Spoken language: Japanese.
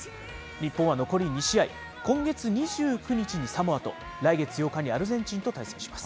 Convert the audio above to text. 日本は残り２試合、今月２９日にサモアと、来月８日にアルゼンチンと対戦します。